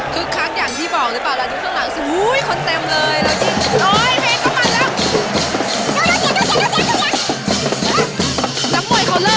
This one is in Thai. คึกคักอย่างที่บอกหรือเปล่า